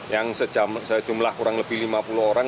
yang sejumlah kurang lebih lima puluh orang